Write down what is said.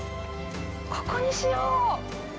ここにしよう。